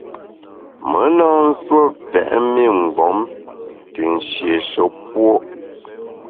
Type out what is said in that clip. Me na nsuo pèt mi mgbom te nshéshe puo’.